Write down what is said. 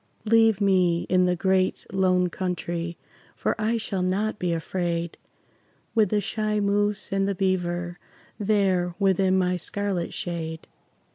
Leave me in the Great Lone Country, For I shall not be afraid With the shy moose and the beaver There within my scarlet shade.